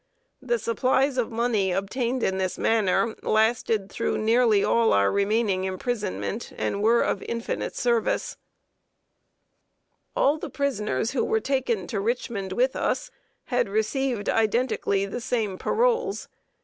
The supplies of money, obtained in this manner, lasted through nearly all our remaining imprisonment, and were of infinite service. [Sidenote: PAROLES REPUDIATED BY THE REBELS.] All the prisoners who were taken to Richmond with us had received identically the same paroles.